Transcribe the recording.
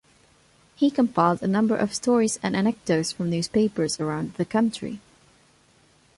He compiled a number of stories and anecdotes from newspapers around the country.